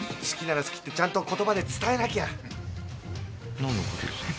好きなら好きってちゃんと言葉で伝えなきゃ。